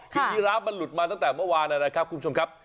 คือยีราฟมันหลุดมาตั้งแต่เมื่อวานนะครับคุณผู้ชมครับ